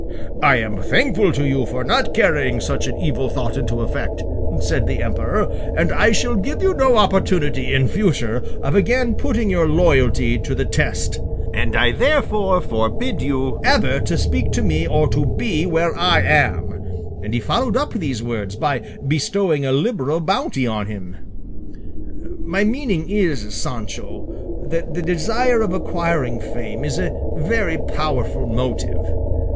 'I am thankful to you for not carrying such an evil thought into effect,' said the emperor, 'and I shall give you no opportunity in future of again putting your loyalty to the test; and I therefore forbid you ever to speak to me or to be where I am; and he followed up these words by bestowing a liberal bounty upon him. My meaning is, Sancho, that the desire of acquiring fame is a very powerful motive.